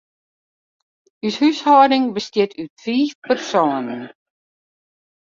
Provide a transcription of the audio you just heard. Us húshâlding bestiet út fiif persoanen.